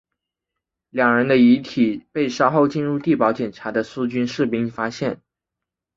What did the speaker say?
两人的遗体被稍后进入地堡检查的苏军士兵发现。